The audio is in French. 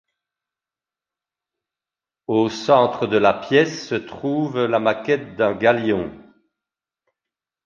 Au centre de la pièce se trouve la maquette d'un galion.